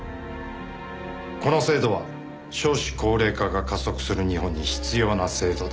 この制度は少子高齢化が加速する日本に必要な制度だ。